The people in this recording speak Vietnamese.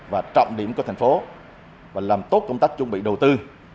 và trọng điểm của thành phố và làm tốt công tác chuẩn bị đầu tư